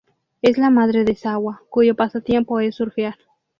Es la madre de Sawa, cuyo pasatiempo es surfear.